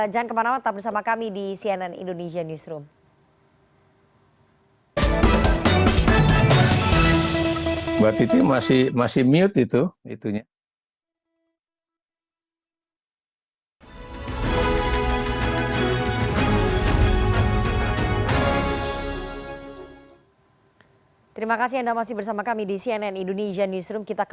jangan kemana mana tetap bersama kami di cnn indonesian newsroom